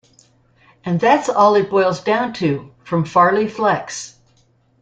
And that's all it boils down to, from Farley Flex.